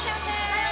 はい！